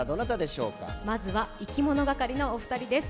まずはいきものがかりのお二人です。